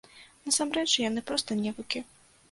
Насамрэч, яны проста невукі.